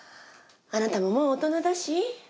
あなたももう大人だし。